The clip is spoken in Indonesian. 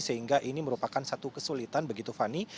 sehingga ini merupakan satu kesulitan begitu fani